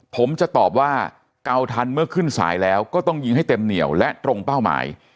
ผมจะตอบว่าเกาทันเมื่อขึ้นสายแล้วก็ต้องยิงให้เต็มเหนียวและตรงเป้าหมาย